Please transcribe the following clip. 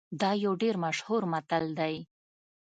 دا یو ډیر مشهور متل دی